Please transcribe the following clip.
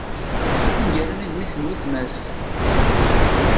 Aneggaru-nni d mmi-s n wletma-s.